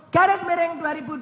garis mering dua ribu dua puluh dua